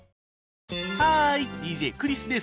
ハーイＤＪクリスです。